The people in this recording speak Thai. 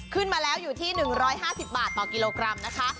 ขึ้นมาแล้วอยู่ที่๑๕๐บาทต่อกิโลกรัมนะคะ